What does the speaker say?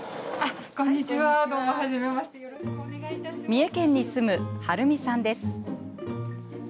三重県に住む、はるみさんです。